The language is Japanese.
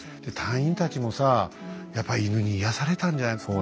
隊員たちもさやっぱ犬に癒やされたんじゃない？